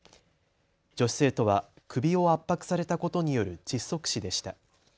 女子生徒は首を圧迫されたことによる窒息死でした。